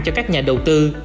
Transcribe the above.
cho các nhà đầu tư